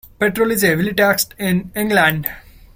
Petrol is heavily taxed in England.